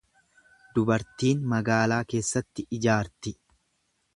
Dubartiin magaalaa keessatti ijaarti.